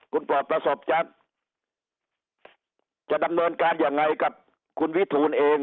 คุณปลอดประสบจะดำเนินการยังไงกับคุณวิทูลเอง